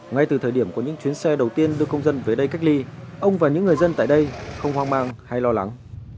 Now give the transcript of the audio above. ngay từ thời điểm có những chuyến xe đầu tiên đưa công dân về đây cách ly ông và những người dân tại đây không hoang mang hay lo lắng